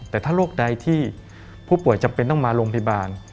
แต่ถ้าโรคใดที่ผู้ป่วยจำเป็นต้องมาโรงพยาบาล